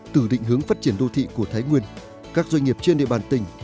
từ định hướng phát triển đô thị của thái nguyên các doanh nghiệp trên địa bàn tỉnh